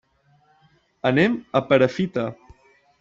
Anem a Perafita.